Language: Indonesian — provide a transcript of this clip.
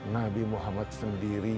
nabi muhammad sendiri